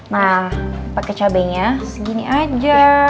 nah pakai cabainya segini aja